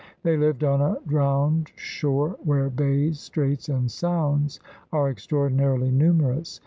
They lived on a drowned shore where bays, straits, and sounds are extraordinarily numerous.